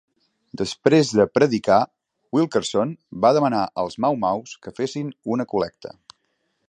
Després de predicar, Wilkerson va demanar als Mau Maus que fessin una col·lecta.